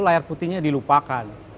layar putihnya dilupakan